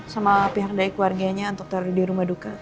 sama pihak dari keluarganya untuk taruh di rumah duka